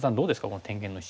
この天元の石。